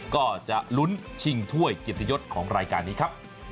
ก็จะลุ้นชิงถ้วยเกียรติยศของรายการนี้ครับ